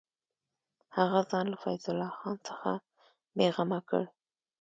هغه ځان له فیض الله خان څخه بېغمه کړ.